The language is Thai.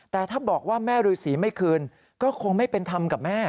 แต่ถ้าบอกว่าแม่ฤษีไม่คืนก็คงไม่เป็นธรรมกับแม่